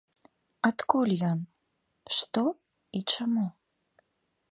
Адкуль ён, што і чаму.